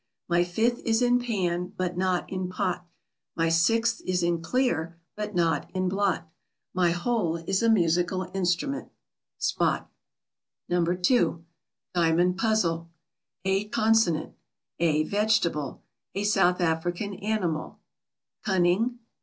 My fifth is in pan, but not in pot. My sixth is in clear, but not in blot. My whole is a musical instrument. SPOT. No. 2. DIAMOND PUZZLE. A consonant. A vegetable. A South African animal. Cunning.